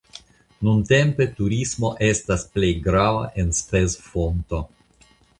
Nuntempe turismo estas plej grava enspezofonto.